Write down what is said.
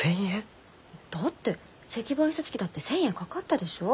だって石版印刷機だって１，０００円かかったでしょ？